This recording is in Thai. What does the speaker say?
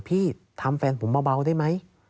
พี่ทำแฟนผมเบาได้ไหม